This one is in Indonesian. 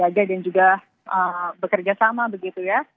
jaga dan juga bekerja sama begitu ya